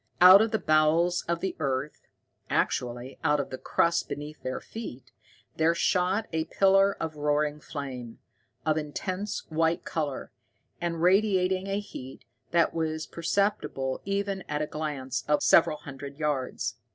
Out of the bowels of the earth actually out of the crust beneath their feet there shot a pillar of roaring flame, of intense white color, and radiating a heat that was perceptible even at a distance of several hundred yards.